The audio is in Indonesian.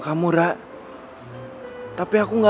kamu harus pergi